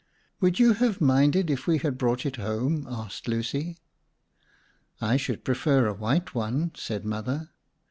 "Would you have minded if we had brought it home?" asked Lucy. "I should prefer a white one," said Mother.